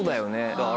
だから。